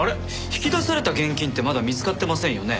引き出された現金ってまだ見つかってませんよね？